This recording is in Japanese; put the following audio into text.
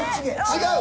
違う。